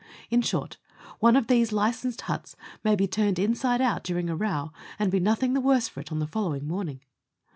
In short, one of these licensed huts may be turned inside out during the row, and be nothing the worse for it on the following morning.